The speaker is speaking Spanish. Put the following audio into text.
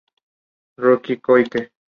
Ryohei Koike